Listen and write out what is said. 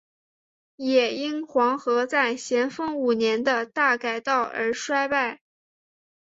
也因黄河在咸丰五年的大改道而衰败。